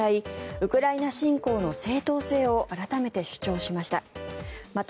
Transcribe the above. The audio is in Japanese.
ウクライナ侵攻の正当性を改めて主張しました。